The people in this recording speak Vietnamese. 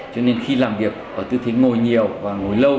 cho nên khi làm việc tư thế ngồi nhiều và ngồi lâu